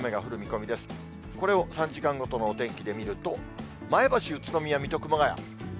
これを３時間ごとのお天気で見ると、前橋、宇都宮、水戸、熊谷。